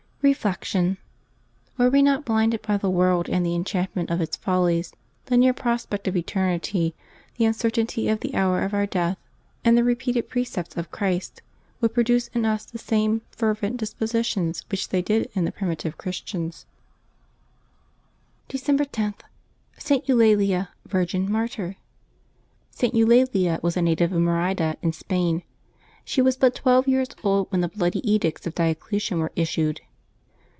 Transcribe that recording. Reflection. — Were we not blinded by the world and the enchantment of its follies, the near prospect of eternity, the uncertainty of the hour of our death, and the repeated precepts of Christ would produce in us the same fervent dispositions which they did in the primitive Christians. 376 LIVES OF THE SAINTS [December 11 December lo.— ST. EULALIA, Virgin, Martyr. [t. Eulalia was a native of Merida, in Spain. She was but twelve years old when the bloody edicts of Diocletian w ere issued.